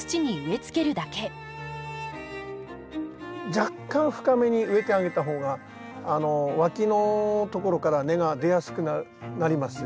若干深めに植えてあげた方がわきのところから根が出やすくなります。